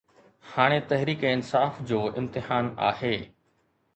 هاڻي تحريڪ انصاف جو امتحان آهي